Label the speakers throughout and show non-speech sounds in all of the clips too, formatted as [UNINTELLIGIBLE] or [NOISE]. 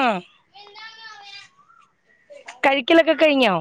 Speaker 1: ആഹ് കഴിക്കലൊക്കെ കഴിഞ്ഞൊ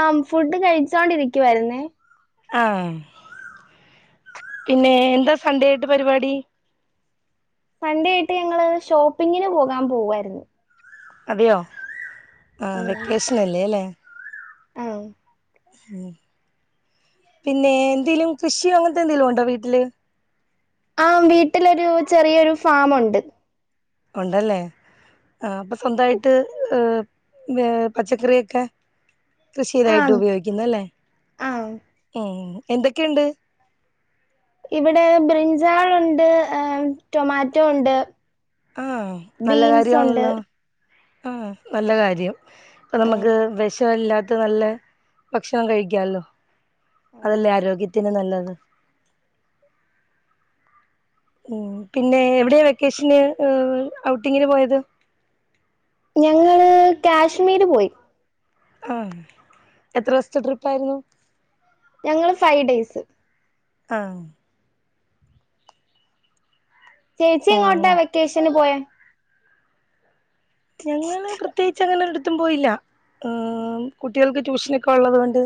Speaker 2: ആഹ് ഫുഡ് കഴിച്ചോണ്ടിരിക്കുവാരുന്നെ
Speaker 1: ആഹ് പിന്നെ എന്താ സൺഡെ ആയിട്ട് പരിപാടി
Speaker 2: സൺഡെ ആയിട്ട് ഞങ്ങള് ഷോപ്പിങ്ങിന് പോകാൻ പോവാരുന്നു
Speaker 1: അതെയോ ആഹ് വെക്കേഷൻ അല്ലേല്ലെ
Speaker 2: ആഹ്
Speaker 1: ഉം പിന്നെ എന്തേലും കൃഷിയൊ അങ്ങനത്തെ എന്തേലുണ്ടൊ വീട്ടില്
Speaker 2: ആഹ് വീട്ടിലൊരു ചെറിയൊരു ഫാമുണ്ട്
Speaker 1: ഒണ്ടല്ലേ ആഹ് അപ്പൊ സ്വന്തായിട്ട് പച്ചക്കറിയൊക്കെ കൃഷി
Speaker 2: ആ
Speaker 1: സ്ഥിരായിട്ട് ഉപയോഗിക്കുന്നല്ലേ
Speaker 2: ആ
Speaker 1: ഉം എന്തൊക്കെണ്ട്
Speaker 2: ഇവിടെ ബ്രിഞ്ചാളുണ്ട് ഏ ടൊമാറ്റൊ ഉണ്ട്
Speaker 1: ആഹ് നല്ല
Speaker 2: ബീൻസ് ഉണ്ട്
Speaker 1: കാര്യവാണല്ലോ ആഹ് നല്ല കാര്യം
Speaker 2: ആ
Speaker 1: നമ്മക്ക് വെഷവല്ലാത്ത നല്ല ഭക്ഷണം കഴിക്കാല്ലൊ അതല്ലേ ആരോഗ്യത്തിന് നല്ലത് ഉം പിന്നെ എവിടെയാ വെക്കേഷന്ല് ഔട്ടിങ്ങിന് പോയത്
Speaker 2: ഞങ്ങള് കാശ്മീര് പോയി
Speaker 1: ആഹ് എത്ര ദിവസത്തെ ട്രിപ്പ് ആയിരുന്നു
Speaker 2: ഞങ്ങള് ഫൈവ് ഡേയ്സ്
Speaker 1: ആഹ്
Speaker 2: ചേച്ചി എങ്ങോട്ടാ
Speaker 1: ഉം
Speaker 2: വെക്കേഷന് പോയേ
Speaker 1: ഞങ്ങള് പ്രത്യേകിച്ച് അങ്ങനെ ഒരിടത്തും പോയില്ല ഉം കുട്ടികൾക്ക് ട്യൂഷനൊക്കെ ഉള്ളത് കൊണ്ട്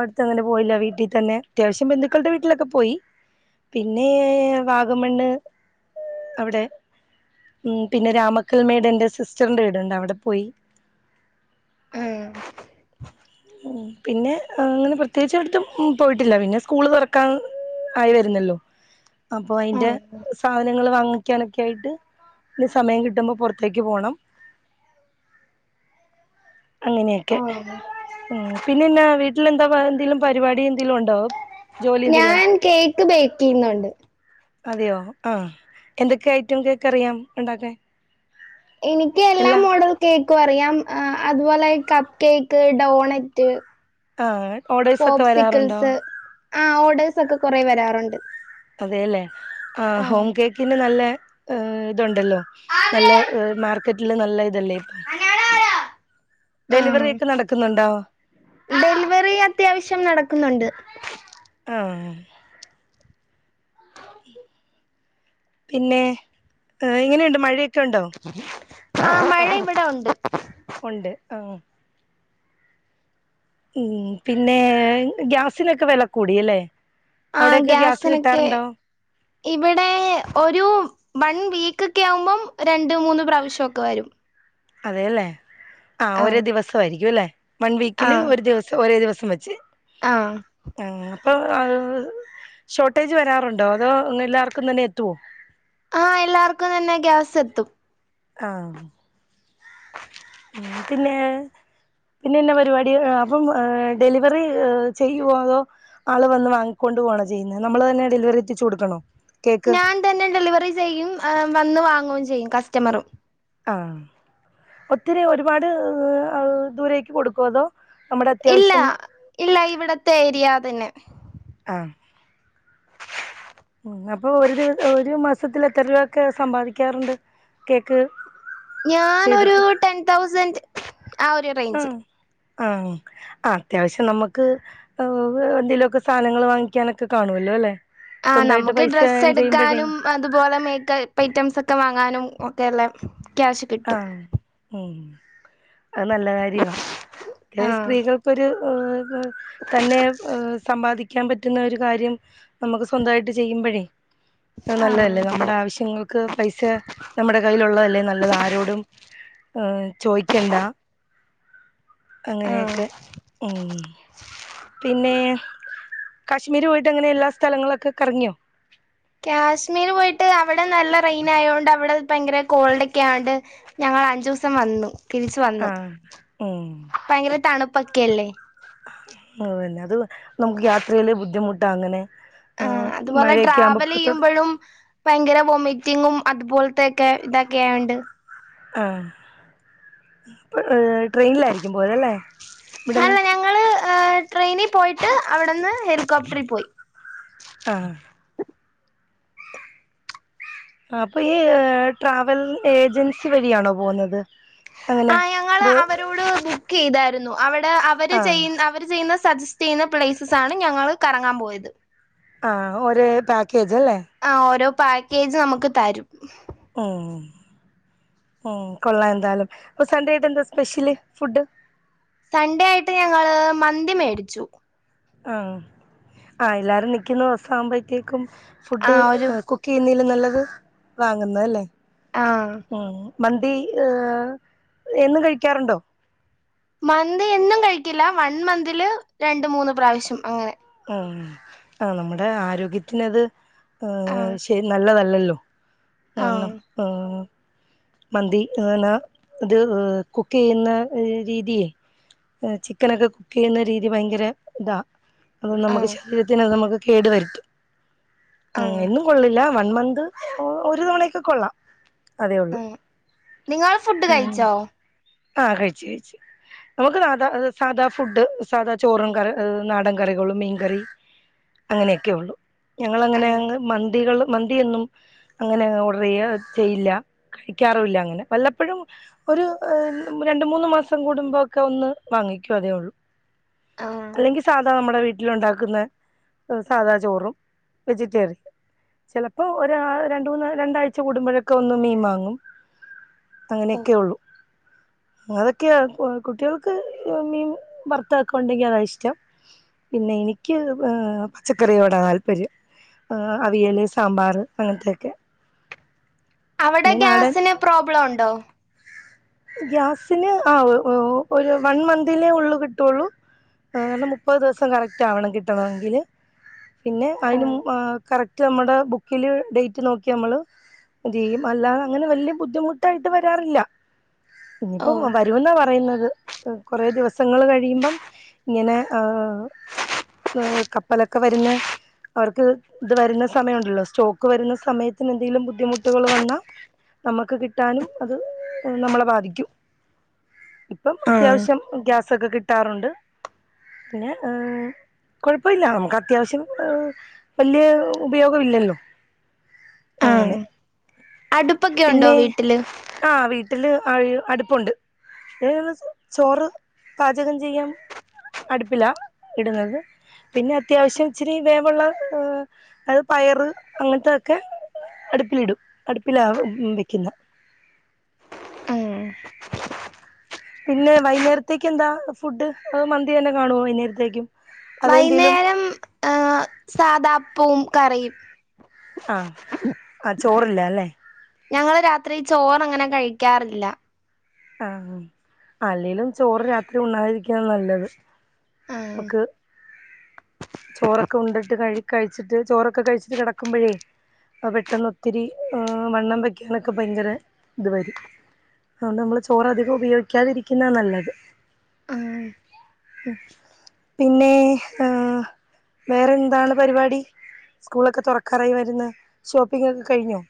Speaker 1: അടുത്തങ്ങനെ പോയില്ല വീട്ടിൽ തന്നെ അത്യാവശ്യം ബന്ധുക്കളുടെ വീട്ടിലൊക്കെ പോയി പിന്നെ വാഗമണ്ണ് അവിടെ ഉം പിന്നെ രാമക്കൽ മേട് എന്റെ സിസ്റ്ററിന്റെ വീടുണ്ട് അവിടെ പോയി
Speaker 2: ആ
Speaker 1: ഉം പിന്നെ അങ്ങനെ പ്രത്യേകിച്ച് എടുത്തും പോയിട്ടില്ല പിന്നെ സ്കൂള് തുറക്കാൻ ആയി വരുന്നല്ലോ അപ്പോ
Speaker 2: ആ
Speaker 1: അയിന്റെ സാധന നങ്ങള് വാങ്ങിക്കാനായിട്ട് ഇനി സമയം കിട്ടുമ്പോ പുറത്തേക്ക് പോണം
Speaker 2: ആ
Speaker 1: അങ്ങനെക്കെ ഉം പിന്നെന്നാ വീട്ടിലെന്താ എന്തെങ്കലും പരിപാടി എന്തെലും ഉണ്ടാവോ
Speaker 2: ഞാൻ കേക്ക് ബേക്ക് ചെയ്യുന്നുണ്ട്
Speaker 1: അതെയോ ആഹ എന്തൊക്കെ ഐറ്റം കേക്ക് അറിയാം ഒണ്ടാക്കാൻ
Speaker 2: എനിക്ക്
Speaker 1: എല്ലാം
Speaker 2: [UNINTELLIGIBLE] കേക്കും അറിയാം അതുപോലെ കപ്പ് കേക്ക് ഡോണറ്റ്
Speaker 1: ആഹ് ഓർഡേഴ്സ് ഒക്കെ വരാറുണ്ടോ
Speaker 2: ആഹ് ഓഡേഴ്സ് ഒക്കെ കൊറെ വരാറുണ്ട്
Speaker 1: അതെല്ലേ ആ ഹോം കേക്ക് പിന്നെ നല്ലെ ഇതുണ്ടല്ലോ
Speaker 2: ആ
Speaker 1: നല്ല മാർക്കറ്റില് നല്ല ഇതല്ലേ ഡെലിവറി ഒക്കെ നടക്കുന്നുണ്ടോ
Speaker 2: ഡെലിവറി അത്യാവശ്യം നടക്കുന്നുണ്ട്.
Speaker 1: ആഹ്. പിന്നെ ഏ എങ്ങനെണ്ട് മഴയൊക്കെ ഉണ്ടോ?
Speaker 2: ആ മഴ ഇവ്ടെ ഉണ്ട്.
Speaker 1: ഉണ്ട് ആഹ്. ഉം പിന്നെ ഗ്യാസിനൊക്കെ വില കൂടില്ലേ?
Speaker 2: ആഹ് ഗ്യാസിനൊക്കെ. ഇവടെ ഒരു വൺ വീക്കൊക്കെ ആവുമ്പം രണ്ട് മൂന്ന് പ്രാവശ്യക്കൊ വരും.
Speaker 1: അതേല്ലേ ആ ഒരേ ദിവസയിരിക്കും ല്ലേ വൺ വീക്കില് ഒരു ദിവസം ഒരേ ദിവസം വെച്ച്.
Speaker 2: ആഹ്.
Speaker 1: [UNINTELLIGIBLE] ഷോട്ടേജ് വരാറുണ്ടോ അതോ എല്ലാവർക്കും തന്നെ എത്ത്യോ?
Speaker 2: ആ എല്ലാവർക്കും തന്നെ ഗ്യാസ് എത്തും.
Speaker 1: ആഹ്. മ് പിന്നെ? പിന്നെന്ന പരിവാടി അപ്പം ഡെലിവറി ചെയ്യോ അതോ? ആള് വന്ന് വാങ്ങിക്കൊണ്ട് പോണാ ചെയ്യുന്നത് നമ്മള് തന്നെ ഡെലിവറി എത്തിച്ച് കൊടുക്കണോ? കേക്ക്
Speaker 2: ഞാൻ തന്നെ ഡെലിവറി ചെയ്യും വന്ന് വാങ്ങും ചെയ്യും കസ്റ്റമറും.
Speaker 1: ആ ഒത്തിരി ഒരുപാട് ദൂരേക്ക് കൊടുക്കുവോ അതോ നമ്മുടെ
Speaker 2: ഇല്ല
Speaker 1: അത്യാവശ്യം
Speaker 2: ഇല്ല ഇവിടത്തെ ഏരിയ തന്നെ.
Speaker 1: ആഹ്. ഉം അപ്പൊ ഒരു ദിവ ഒരു മാസത്തിൽ എത്ര രൂപ ഒക്കെ സമ്പാദിക്കാറ്ണ്ട് കേക്ക്?
Speaker 2: ഞാനൊരു
Speaker 1: ചെയ്തിട്ട്
Speaker 2: ടെൻ തൗസൻഡ് ആ ഒരു റേഞ്ച്.
Speaker 1: ആഹ് ആഹ്. അത്യാവശ്യം നമക്ക് ഏ എന്തെലൊക്കെ സാനങ്ങൾ വാങ്ങിക്കാനൊക്കെ കാണൊല്ലോല്ലെ.
Speaker 2: ആ നമുക്ക് ഡ്രസ്സ് എടുക്കാനും അതുപോലെ മേക്കപ്പ് ഐറ്റംസ് ഒക്കെ വാങ്ങാനും ഒക്കെള്ള ക്യാഷ്
Speaker 1: ആ
Speaker 2: കിട്ടും
Speaker 1: ഉം അത് നല്ല കാര്യവാ ചെല
Speaker 2: ആഹ്
Speaker 1: സ്ത്രീകൾ ഒരു തന്നെ സമ്പാദി ക്ക്യാൻ പറ്റുന്ന ഒരു കാര്യം നമുക്ക് സ്വന്തയിട്ട് ചെയ്യുമ്പോഴേ അത്
Speaker 2: ആഹ്
Speaker 1: നല്ലതല്ലേ നമ്മുടെ ആവശ്യങ്ങൾ ക്ക് പൈസ നമ്മടെ കയ്യിലുള്ളതല്ലേ നല്ലത് ആരോടും ചോയ്ക്കണ്ട.
Speaker 2: ആഹ്
Speaker 1: അങ്ങനെയൊക്കെ മ്. പിന്നെ കാശ്മീര് പോയിട്ട് എങ്ങനെ എല്ലാ സ്ഥലങ്ങളൊക്കെ കറങ്ങ്യോ?
Speaker 2: ക്യാശ്മീര് പോയിട്ട് അവിടെ നല്ല റെയ്നായോണ്ട് അവിടെ ഭയങ്കര കോൾഡോക്കെ ആയോണ്ട് ഞങ്ങൾ അഞ്ചുസം വന്നു തിരിച്ച് വന്നു
Speaker 1: ആഹ് ഉം
Speaker 2: ഭയങ്കര തണുപ്പൊക്കെല്ലേ.
Speaker 1: അതന്നെ അത് നമുക്ക് യാത്രയില് ബുദ്ധിമുട്ടാ അങ്ങനെ
Speaker 2: ആ
Speaker 1: ആഹ്
Speaker 2: അതുപോലെ
Speaker 1: മഴയൊക്കെ ആവുമ്പോ പുറത്തോട്ട്
Speaker 2: ട്രാവലെയ്യുമ്പോഴും ഭയങ്കര വൊമിറ്റിങ്ങും അതുപോൽത്തെക്കെ ഇതൊക്കെയായാണ്ട്.
Speaker 1: ആ ട്രെയിനിലായിരിക്കും പോയതല്ലേ ഇവിടെന്ന്?
Speaker 2: ങ്ങൾ ട്രെയിനി പോയിട്ട് അവിടെന്ന് ഹെലികോപ്റ്ററിൽ പോയി.
Speaker 1: ആഹ്. അപ്പ ഈ ട്രാവൽ ഏജൻസി വഴിയാണോ പോവുന്നത്.
Speaker 2: ആ ഞങ്ങള് അവരോട് ബുക്കെ യ്താരുന്നു അവടെ അവര് ചെയ
Speaker 1: ആഹ്
Speaker 2: അവര് ചെയ്യുന്ന സജസ് തീന പ്ലേസസാണ് ഞങ്ങള് കറങ്ങാൻ പോയത്.
Speaker 1: ആ ഒരേ പാക്കേജ് അല്ലേ.
Speaker 2: ആ ഓരോ പാക്കേജ് നമുക്ക് തരും.
Speaker 1: ഉം ഉം കൊള്ളാ എന്താലും അപ്പൊ സൺഡേ ആയിട്ട് എന്താ സ്പെഷ്യല് ഫുഡ്?
Speaker 2: സൺഡേ ആയിട്ട് ഞങ്ങള് മന്തി മേടിച്ചു.
Speaker 1: ആഹ് ആ എല്ലാരും നിക്യുന്ന വസാകുമ്പോഴത്തേക്കും
Speaker 2: ആ
Speaker 1: ഫുഡ്
Speaker 2: ഒരു
Speaker 1: കുക്ക് ക്കെയ്യുന്നതിലും നല്ലത് വാങ്ങുന്നല്ലേ
Speaker 2: ആ
Speaker 1: മ്. മന്തി ഏഹ് എന്നും കഴിക്കാറുണ്ടോ
Speaker 2: മന്തി എന്നും കഴിക്കില്ല വൺ മന്തില് രണ്ട് മൂന്ന് പ്രാവശ്യം അങ്ങനെ
Speaker 1: ആഹ് ആഹ് നമ്മുടെ ആരോഗ്യത്തിനത്
Speaker 2: ആ
Speaker 1: ആഹ് ഷെ നല്ലതല്ലല്ലോ
Speaker 2: ആ
Speaker 1: കാരണം ആഹ് മന്തി എന ത് കുക്കെയ്യുന്ന രീതിയേ ചിക്കനൊക്കെ കുക്ക് ചെയ്യുന്ന രീതി ഭയങ്കര ഇതാ അത്
Speaker 2: ആ
Speaker 1: നമുക്ക് ശരീരത്തിന് അത് നമുക്ക് കേടു വരുത്തും
Speaker 2: ആ
Speaker 1: അങ്ങനെ കൊള്ളില്ല വൺ മന്ത് ഒരു തവണക്കെ കൊള്ളാം അതെ
Speaker 2: നിങ്ങ
Speaker 1: ഉം ആഹ് കഴിച്ച് കഴിച്ച് നമുക്ക് നാദാ സാധാ ഫുഡ് സാധാ ചോറും കറി നാടൻ കറികളും മീൻകറി അങ്ങനെയൊക്കെ ഒള്ളൂ
Speaker 2: ആ
Speaker 1: ഞങ്ങളങ്ങനെ അങ്ങ് മന്തികൾ മന്തിയൊന്നും അങ്ങനെ ഓർഡർ ചെയ്യ ചെയ്യില്ല കഴിക്കാറുല്ല അങ്ങനെ വല്ലപ്പോഴും ഒരു ഏഹ് രണ്ട് മൂന്ന് മാസം കൂടുമ്പോക്കെ ഒന്ന് വാങ്ങിക്കൂ അതേ ഒള്ളൂ
Speaker 2: ആ
Speaker 1: അല്ലെങ്കി സാധാ നമ്മുടെ വീ ട്ടിലുണ്ടാക്കുന്ന സാധാ ചോറും വെജിറ്റേറിയൻ ചിലപ്പോ ഒരാ രണ്ട് മൂന്ന് രണ്ടാഴ്ച കൂടുമ്പോഴൊക്കെ ഒന്ന് മീൻ വങ ങ്ങും അങ്ങനെയൊക്കെ ഒള്ളൂ അതൊക്കെ കുട്ടികൾക്ക് മീൻ വർത്തതൊക്കെ ഒണ്ടെങ്കിൽ അതാ ഇഷ്ടം പിന്നെ എനിക്ക് പച്ചക്കറിയോട താല്പര്യം ആഹ് അവിയല് സാമ്പാറ് അങ്ങനത്തൊക്കെ
Speaker 2: അവടെ ഗ്യാസിന് പ്രോബ്ലം ണ്ടോ
Speaker 1: ഗ്യാസിന് ആഹ് ഒ ഒ ഒരു വൺമന്തിലെ ഒള്ളു കിട്ടുള്ളൂ മുപ്പത് ദിവസം കറക്റ്റാവണം കിട്ടണങ്കില് പിന്നെ
Speaker 2: ഓ
Speaker 1: അയിനു മു ആഹ് കറക് റ്റ് നമ്മടെ ബുക്കിലെ ഡേറ്റ് നോക്കി നമ്മള് ഇതെയ്യും അല്ലാതെ അങ്ങനെ വല്ല്യ ബുധിമുട്ടായിട്ട് വ രാറില്ല
Speaker 2: ഓ
Speaker 1: ഇനിയിപ്പം വരുവെന്ന പറയുന്നത് കൊറെ ദിവസങ്ങള് കഴിയുമ്പം ഇങ്ങനെ ആഹ് ഏഹ് കപ്പലൊക്കെ വരുന്നെ അവർക്ക് ഇത് വരുന്ന സമയുണ്ടല്ലോ സ്റ്റോക്ക് വരുന്ന സമയത്തിനെന്തെലും ബുദ്ധിമുട്ടുകള് വന്നാ നമുക്ക് കിട്ടാനും അത് നമ്മളെ ബാധിക്കും ഇപ്പം
Speaker 2: ആഹ്
Speaker 1: അത്യാവശ്യം ഗ്യാ സൊക്കെ കിട്ടാറുണ്ട് പിന്നെ ഏഹ് കൊഴപ്പല്യ നമുക്ക് അത്യാവശ്യം വല്യാ ഉപയോഗമില്ലല്ലോ അങ്ങനെ
Speaker 2: അടുപ്പൊക്കെ ഉണ്ടോ
Speaker 1: പിന്നെ
Speaker 2: വീട്ടില്
Speaker 1: ആഹ് വീട്ടില് അ അടുപ്പുണ്ട്. ഇ ചോറ് പാചകം ചെയ്യാൻ അടുപ്പില ഇടുന്നത് പിന്നെ അത്യാവശ്യം ഇച്ചിരി വേവുള്ള അത് പയറ് അങ്ങനത്തൊക്കെ അടുപ്പിലിടും അടുപ്പില വെക്കുന്നെ പിന്നെ വൈന്നേരത്തേക്കെന്താ ഫുഡ് അ മന്തിന്നെ കാണോ വൈന്നേരത്തേക്
Speaker 2: വൈന്നേരം ഏഹ് സാദാപ്പവും കറിയും
Speaker 1: ആഹ് ആ ചോറില്ലല്ലേ
Speaker 2: ഞങ്ങള് രാത്രി ചോറ്ങ്ങനെ കഴിക്കാറില്ല
Speaker 1: ആഹ് ആഹ് അല്ലെലും ചോറ് രാത്രി ഉണതിരിക്ക നല്ലത് നമക്ക് ചോറൊക്കെ ഉണ്ടിട്ട് കഴി കഴിച്ചിട്ട് ചോറൊക്കെ കഴിച്ചിട്ട് കെടക്കുമ്പോഴേ പെട്ടെന്നൊത്തിരി ആഹ് വണ്ണം വെക്കാനൊക്കെ ഭയങ്കര ഇതുവരും അതുകൊണ്ട് നമ്മള് ചോറധികം ഉപയോഗിക്കാതിരിക്കുന്ന നല്ലത്
Speaker 2: ആഹ്
Speaker 1: ഉം പിന്നെ ആഹ് വേറെന്താണ് പരിപാടി സ്കൂളൊക്കെതൊറക്കാറായി വരുന്ന് ഷോപ്പിംഗക്കെ കഴിഞ്ഞോ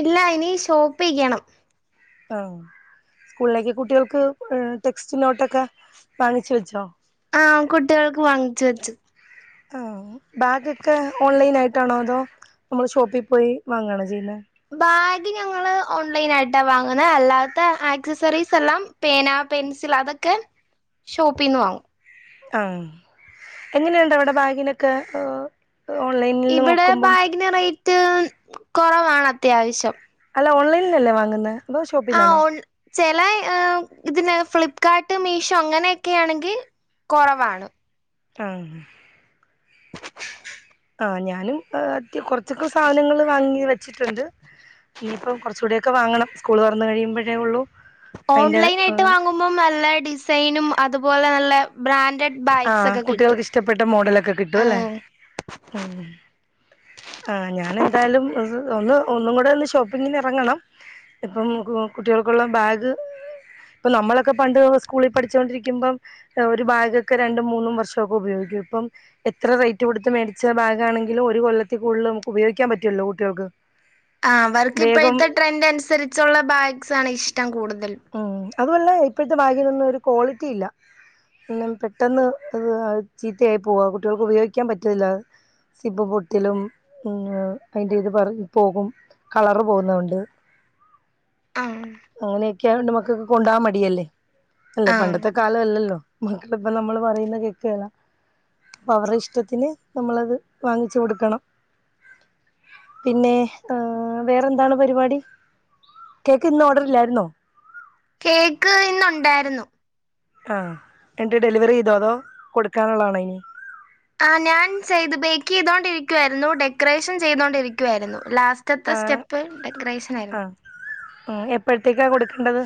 Speaker 2: ഇല്ല ഇനി ഷോപ്പെയ്യണം
Speaker 1: ആഹ് സ്കൂളിലേക്ക്കുട്ടിയെൾക്ക് ടെക്സ്റ്റ്നോട്ടൊക്കെവാങ്ങിച്ചു വെച്ചോ
Speaker 2: ആഹ്കുട്ട്യേൽക്ക് വാങ്ങിച്ച് വച്ചു.
Speaker 1: ആഹ് ബാഗൊക്കെനമ്മള് ഓൺലൈനായിട്ടാണോഅതോ ഷോപ്പിപോയി വാങ്ങണോചെയ്യുന്നേ.
Speaker 2: ബാഗ്ഞങ്ങള്ഓൺലൈനായിട്ടാ വാങ്ങുന്നത്അല്ലാത്ത ആക്സസറീസ്എല്ലാം പേനപെൻസിൽഅതൊക്കെ ഷോപ്പിന്ന് വാങ്ങും.
Speaker 1: ആഹ് എങ്ങനെണ്ട്അവിടെ ബാഗിനൊക്കെ? ഓൺലൈൻ
Speaker 2: ഇബടെബാഗിന് റേറ്റ്കൊറവാണ് അത്യാവശ്യം.
Speaker 1: അല്ലഓൺലൈൻന്നല്ലേ വാങ്ങുന്നെ അതോ ഷോപ്പിന്നാണോ
Speaker 2: ആഓൺ ചെല ഇതിന് ഫ്ലിപ്കാർട്ട് മീഷോ അങ്ങനെയൊക്കെണെങ്കി കൊറവാണ്.
Speaker 1: ആഹ് ആഹ്ഞാനുംകൊറച്ചൊക്കെ സാധനങ്ങള് വാങ്ങിവെച്ചിട്ടുണ്ട് ഇനിയിപ്പംകൊറചൂടെ ക്കെവാങ്ങണംസ്കൂള് തോറന്ന് കഴിയുമ്പഴേള്ളൂ
Speaker 2: ഓൺലൈനായിട്ട് വാങ്ങുമ്പോ നല്ല ഡിസൈനും അതുപോലെ നല്ല ബ്രാൻഡഡ് ബാഗ്സ്
Speaker 1: ആഹ്
Speaker 2: ഒക്കെ കിട്ടും
Speaker 1: കുട്ടിൾക്കിഷ്ടപ്പെട്ട
Speaker 2: ആ
Speaker 1: മോഡലൊക്കെകിട്ടുവല്ലേ ആഹ് ആഹ് ഞാനെന്തായാലുംഒസ്ഒന്നും ഒന്നുകൂടെഒന്ന്ഷോപ്പിങ്ങിന് എറങ്ങണം. ഇപ്പം കുട്ടികൾക്കുള്ളബാഗ് ഇപ്പംനമ്മളൊക്കെപണ്ട് സ്കൂളി പഠിച്ചുകൊണ്ടിരിക്കുമ്പംഒരുബാഗ് ക്കെരണ്ടുംമൂന്നുംവർഷൊക്കെ ഉപയോഗിക്കുംഇപ്പം എത്രറേറ്റ്കൊടുത്ത്മേടിച്ച ബാഗമാണെങ്കിലുംഒരുകൊല്ലത്തി കൂടുൽനമുക്കുപയോഗിക്കാൻ പറ്റുലല്ലോ കുട്ടികൾക്ക്
Speaker 2: ആഹ്
Speaker 1: വേഗം
Speaker 2: അവർക്കിപ്പോഴത്തെ ട്രെനഡ നുസരിച്ചുള്ള ബാഗ്സ്ണ്ഇഷ്ടം കൂടുതൽ
Speaker 1: ഉം അതുവല്ലാ ഇപ്പോഴത്തെ ബാഗിനൊന്നും ഒരു ക്വാളിറ്റി ഇല്ല ന്നും പെട്ടെന്ന് അത് ചീത്തയായി പോവ കുട്ടികൾക്ക് ഉപയോഗിക്കാൻ പറ്റില്ല സിബ് പൊട്ടലും അതിന്റെ ഇത് പറി പോകും കളറ് പോന്നോണ്ട്
Speaker 2: ആഹ്
Speaker 1: അങ്ങനെയൊക്കെയായോണ്ട് മക്കക്ക് കൊണ്ടോവാൻ മടിയല്ലേ അല്ലെ
Speaker 2: ആ
Speaker 1: പണ്ടത്തെ കാലല്ലല്ലോ മക്കളിപ്പ നമ്മള് പറയുന്ന കേക്കേലാ അവരുടെ ഇഷ്ടത്തിന് നമ്മളത് വാങ്ങിച്ചു കൊടുക്കണം പിന്നെ ഏഹ് വേറെ എന്താണ് പരിപാടി കേക്ക് ഇന്ന് ഓർഡറില്ലായിരുന്നോ
Speaker 2: കേക്ക് ഇന്നൊണ്ടായിരുന്നു
Speaker 1: ആഹ് എന്നിട്ട് ഡെലിവറി ചെയ്തോ അതോ കൊടുക്കാനുള്ളതാണോ ഇനി
Speaker 2: ആഹ് ഞാൻ ചെയ്ത് ബേക്കേയ്തോണ്ടിരിക്കുവായിരുന്നു ഡെക്കറേഷൻ ചെയ്തോണ്ടിരിക്കുവായിരുന്നു ലാസ് റ്റത്തെ
Speaker 1: ആഹ്
Speaker 2: സ്റ്റെപ്പ് ഡെക്കറേഷൻ ആയിരുന്നു
Speaker 1: ആഹ് ഉം എപ്പോഴത്തേക്കാ കൊടുക്കേണ്ടത്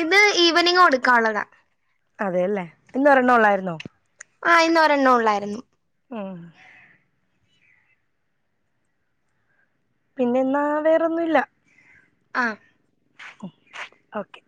Speaker 2: ഇത് ഈവനിങ് കൊടുക്കാനുള്ളതാ
Speaker 1: അതെലേ ഇന്നൊരെണ്ണോള്ളായിരുന്നോ
Speaker 2: ആഹ് ഇന്നൊരെണ്ണം ഉള്ളായിരുന്നു
Speaker 1: ഉം പിന്നെ എന്നാ വേറൊന്നുല്ല
Speaker 2: ആഹ്
Speaker 1: ഉം ഓക്കെ